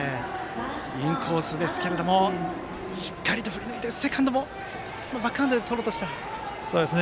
インコースですがしっかりと振りぬいてセカンドもバックハンドでとろうとしました。